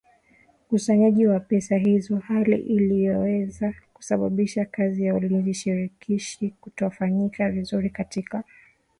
ukusanyaji wa pesa hizo hali inayoweza kusababisha kazi ya ulinzi shirikishi kutofanyika vizuri katika